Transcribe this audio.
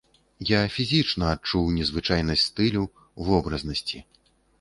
Я фізічна адчуў незвычайнасць стылю, вобразнасці.